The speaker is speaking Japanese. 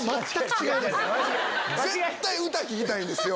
絶対歌聴きたいんですよ